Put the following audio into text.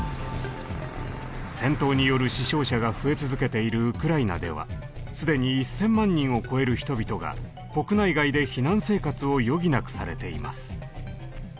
戦闘による死傷者が増え続けているウクライナでは既に１，０００万人を超える人々が国内外で避難生活を余儀なくされています。